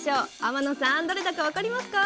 天野さんどれだか分かりますか？